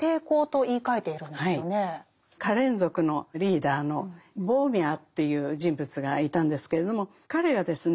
カレン族のリーダーのボーミャという人物がいたんですけれども彼がですね